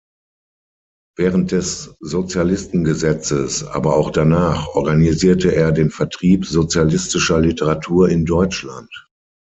Während des Sozialistengesetzes, aber auch danach organisierte er den Vertrieb sozialistischer Literatur in Deutschland.